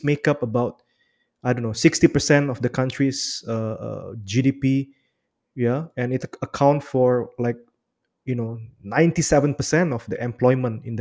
jadi yang pertama yang saya pikirkan adalah kenapa sembilan puluh sembilan dari smes kita masih